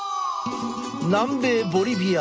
南米ボリビア。